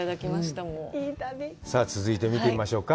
続いて見てみましょうか。